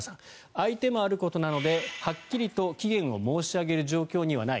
相手もあることなのではっきりと期限を申し上げる状況にはない。